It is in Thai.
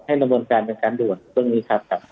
ให้ก็เป็นการด่วนของตรงนี้นะครับ